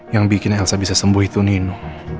yang bikin elsa bisa sembuh itu nino